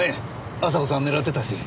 阿佐子さんを狙ってたし。